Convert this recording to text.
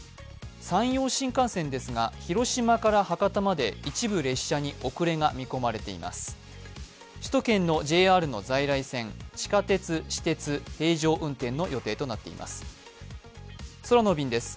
山陽新幹線ですが、広島から博多まで一部列車に遅れが見込まれています。